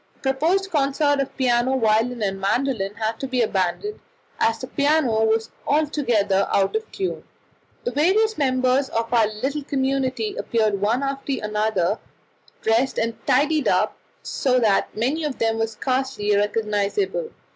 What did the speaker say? A proposed concert of piano, violin, and mandolin had to be abandoned, as the piano was altogether out of tune. The various members of our little community appeared one after another, dressed and tidied up so that many of them were scarcely recognizable.